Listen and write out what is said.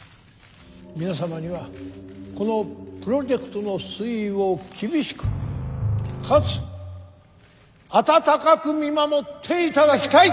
皆様にはこのプロジェクトの推移を厳しくかつ温かく見守っていただきたい。